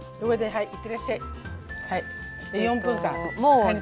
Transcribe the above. はい。